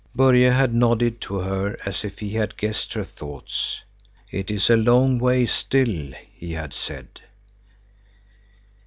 Börje had nodded to her as if he had guessed her thoughts. "It is a long way still," he had said.